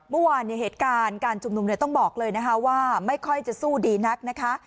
เมื่อวานเหตุการณ์การชุมนุมต้องบอกเลยนะคะว่าไม่ค่อยจะสู้ดีนักนะคะ